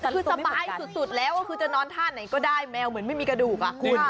คือซัมปัดสุดแล้วคือจะนอนท่าไหนก็ได้แมวเหมือนไม่มีกระดูกให้ฟาก